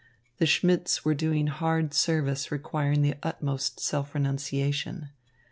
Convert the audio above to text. The Schmidts were doing hard service requiring the utmost self renunciation.